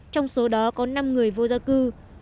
trong số đó có năm người vô gia cư